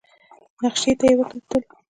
نخشې ته يې وکتل.